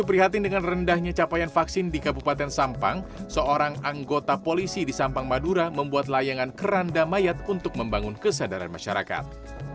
pada saat ini seorang anggota polisi di sampang madura membuat layangan keranda mayat untuk membangun kesadaran masyarakat